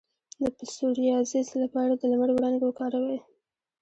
د پسوریازیس لپاره د لمر وړانګې وکاروئ